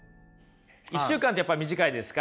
１週間ってやっぱ短いですか？